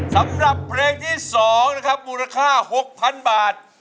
สำหรับเพลงที่สองนะครับมูลค่าหกพันบาท